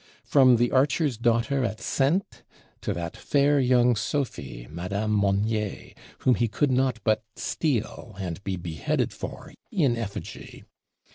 From the Archer's Daughter at Saintes to that fair young Sophie, Madame Monnier, whom he could not but "steal" and be beheaded for in effigy!